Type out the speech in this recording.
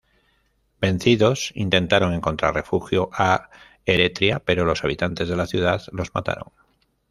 Vencidos, intentaron encontrar refugio a Eretria, pero los habitantes de la ciudad los mataron.